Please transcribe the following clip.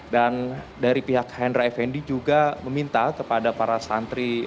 dan dari pihak hendry fnd juga meminta kepada para santri